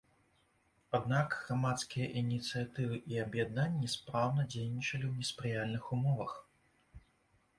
Аднак, грамадскія ініцыятывы і аб'яднанні спраўна дзейнічалі ў неспрыяльных умовах.